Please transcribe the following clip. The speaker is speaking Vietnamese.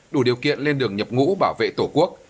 đủ điều kiện lên đường nhập ngũ bảo vệ tổ quốc